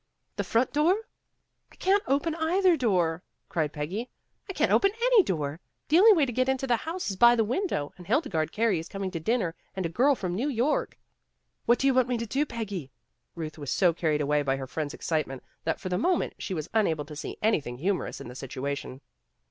"The front door?" 194 PEGGY RAYMOND'S WAY "I can't open either door," cried Peggy. "I can't open any door. The only way to get into the house is by the window, and Hildegarde Carey is coming to dinner and a girl from New York." "What do you want me to do, Peggy?" Euth was so carried away by her friend's excitement that for the moment she was unable to see any thing humorous in the situation.